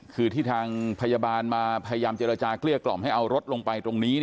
คือที่ทางพยาบาลมาพยายามเจรจาเกลี้ยกล่อมให้เอารถลงไปตรงนี้